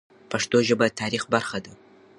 پښتو ژبه د تاریخ برخه ده.